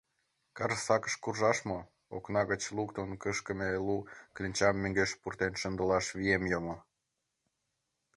Карсакыш куржаш мо — окна гыч луктын кышкыме лу кленчам мӧҥгеш пуртен шындылаш вием йомо.